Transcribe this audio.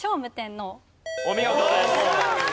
お見事です。